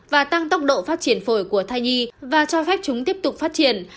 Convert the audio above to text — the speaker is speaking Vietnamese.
và tăng tốc độ phát triển phổi của thai nhi và cho phép chúng tiếp tục phát triển